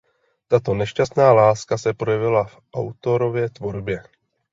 Tato nešťastná láska se projevila v autorově tvorbě.